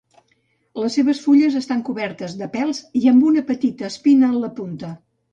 Les seves fulles estan cobertes de pèls i amb una petita espina en la punta.